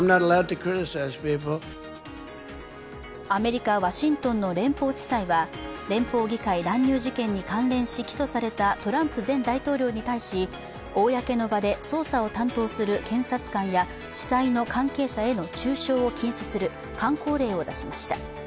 アメリカ・ワシントンの連邦地裁は連邦議会乱入事件に関連し起訴されたトランプ前大統領に対し、公の場で捜査を担当する検察官や地裁の関係者への中傷を禁止するかん口令を出しました。